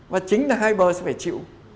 và chính là hai bờ sẽ phải chịu